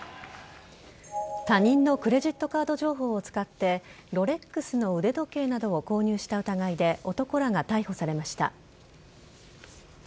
他人のクレジットカード情報を使ってロレックスの腕時計などを購入した疑いで男らが逮捕されました。